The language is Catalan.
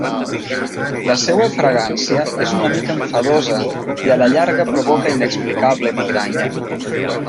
La seua fragància és una mica embafosa, i a la llarga provoca inexplicable migranya.